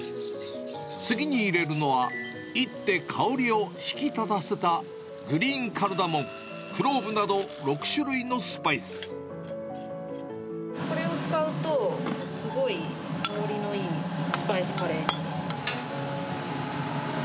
次に入れるのは、いって香りを引き立たせたグリーンカルダモン、クローブなど６種これを使うと、すごい香りのいいスパイスカレーに。